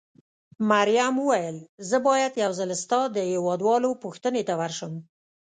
مريم وویل: زه باید یو ځل ستا د هېواد والاو پوښتنې ته ورشم.